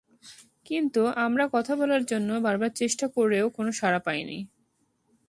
কিন্তু আমরা কথা বলার জন্য বারবার চেষ্টা করেও কোনো সাড়া পাইনি।